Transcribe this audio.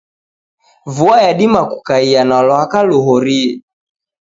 Vua yadima kukaia na lwaka luhorie.